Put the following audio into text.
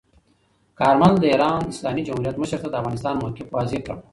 کارمل د ایران اسلامي جمهوریت مشر ته د افغانستان موقف واضح کړ.